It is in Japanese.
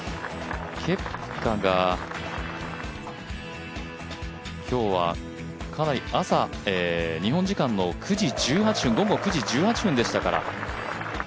ケプカが今日は日本時間の午後９時１８分でしたから。